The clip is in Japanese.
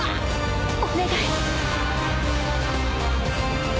お願い！